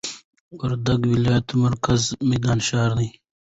وردګ ولايت مرکز میدان ښار دي